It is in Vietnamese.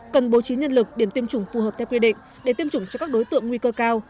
cần bố trí nhân lực điểm tiêm chủng phù hợp theo quy định để tiêm chủng cho các đối tượng nguy cơ cao